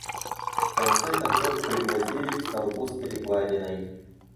В конце концов пригвоздили к столбу с перекладиной.